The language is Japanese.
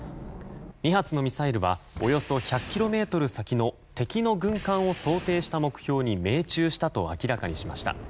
２発のミサイルはおよそ１００ｋｍ先の敵の軍艦を想定した目標に命中したと明らかにしました。